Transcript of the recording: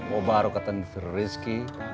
wa barokatan fil rizki